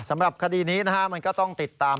สำหรับคดีนี้นะฮะมันก็ต้องติดตาม